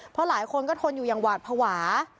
เพราะหลายคนก็ทนอยู่อย่างหวาดภาวะ